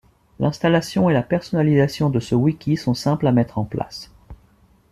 L'installation et la personnalisation de ce wiki sont simples à mettre en place.